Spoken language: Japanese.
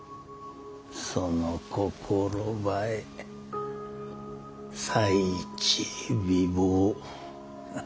その心ばえ才知美貌。